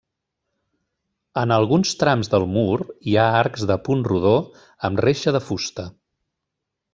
En alguns trams del mur hi ha arcs de punt rodó amb reixa de fusta.